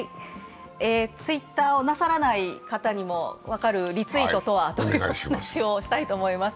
Ｔｗｉｔｔｅｒをなさらない方にも分かるリツイートとはというお話をしたいと思います。